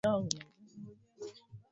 Lina wastani wa kina cha mita themanini